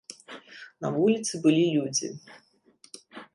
На вуліцы былі людзі.